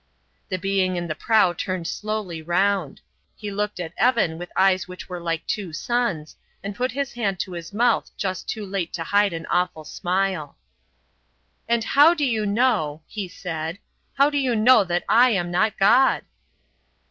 The being in the prow turned slowly round; he looked at Evan with eyes which were like two suns, and put his hand to his mouth just too late to hide an awful smile. "And how do you know," he said, "how do you know that I am not God?"